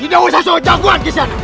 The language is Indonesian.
tidak usah sok jauhan kesana